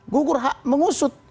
gugur hak mengusut